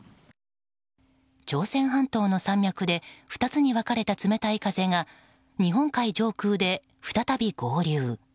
朝鮮半島の山脈で２つに分かれた冷たい風が日本海上空で再び合流。